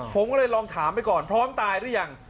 ผมก็เลยลองถามไปก่อนพร้อมตายหรือยัง